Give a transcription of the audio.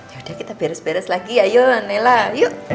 yaudah kita beres beres lagi ayo nela yuk